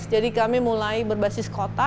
jadi kami mulai berbasis kota